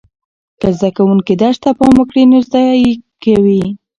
که زده کوونکي درس ته پام وکړي نو زده یې کوي.